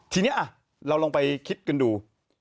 ทีนี้เราลองไปคิดกันดู